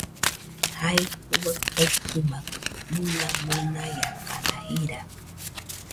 Jae juaɨ taitɨmakɨ, mona monaiakana jira